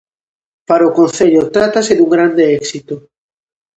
Para o concello trátase dun grande éxito.